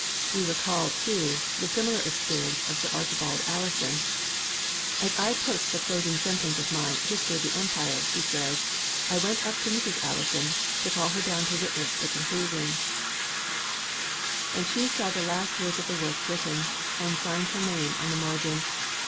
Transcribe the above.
We recall, too, the similar experience of Sir Archibald Alison. 'As I approached the closing sentence of my History of the Empire,' he says, 'I went up to Mrs. Alison to call her down to witness the conclusion, and she saw the last words of the work written, and signed her name on the margin.